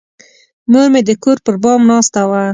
مور مې د کور پر بام ناسته وه.